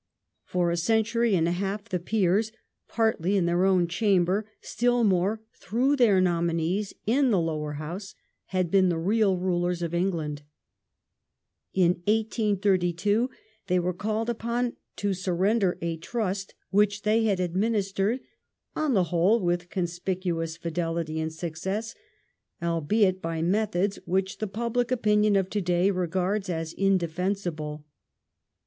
For a century and a half the Peei s — partly in their own chamber, still more through their nominees in the Lower House — had been the real rulers of England. In 1832 they were called upon to surrender a trust which they had administered, on the whole, with conspicuous fidelity and success, albeit by methods which the public opinion of to day regards as indefensible.